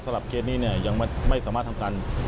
สำหรับเคสนี่ยังไม่สามารถทำการ